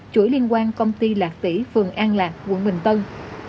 chuỗi liên quan công ty lạc tỉ phường an lạc quận bình tân